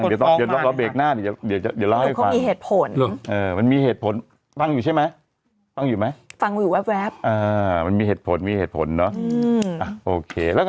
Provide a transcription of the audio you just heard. เดียวก็ล้าวให้ฟังว่าทำไมถึงภาดพิง